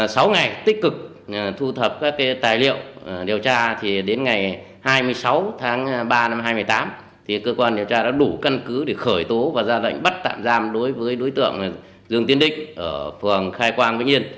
sau ngày tích cực thu thập các tài liệu điều tra đến ngày hai mươi sáu tháng ba năm hai nghìn một mươi tám cơ quan điều tra đã đủ căn cứ để khởi tố và ra lệnh bắt tạm giam đối với đối tượng dương tiến định ở phường khai quang vĩnh yên